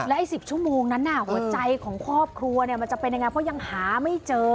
ไอ้๑๐ชั่วโมงนั้นหัวใจของครอบครัวมันจะเป็นยังไงเพราะยังหาไม่เจอ